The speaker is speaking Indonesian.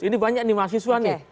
ini banyak nih mahasiswa nih